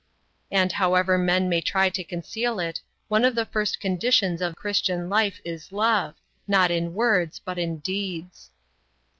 And however men may try to conceal it, one of the first conditions of Christian life is love, not in words but in deeds.